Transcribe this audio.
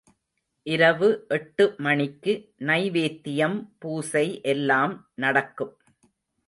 இரவு எட்டு மணிக்கு நைவேத்தியம் பூசை எல்லாம் நடக்கும்.